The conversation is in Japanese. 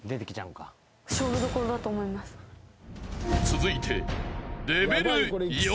［続いて］